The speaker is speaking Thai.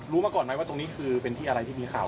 มาก่อนไหมว่าตรงนี้คือเป็นที่อะไรที่มีข่าว